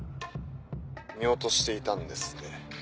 見落としていたんですね。